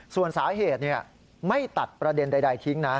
ส่วนสาเหตุไม่ตัดประเด็นใดทิ้งนะ